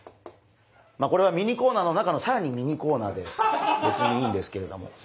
まあこれはミニコーナーの中のさらにミニコーナーで別にいいんですけれども。